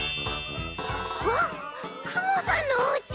わっくもさんのおうち！